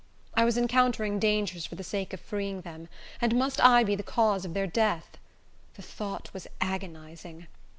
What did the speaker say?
I was encountering dangers for the sake of freeing them, and must I be the cause of their death? The thought was agonizing.